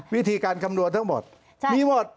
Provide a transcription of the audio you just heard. วิธีการคำนวณทั้งหมดมีหมด